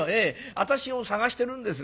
私を捜してるんです。